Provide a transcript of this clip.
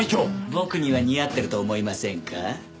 僕には似合ってると思いませんか？